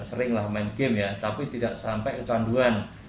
seringlah main game ya tapi tidak sampai kecanduan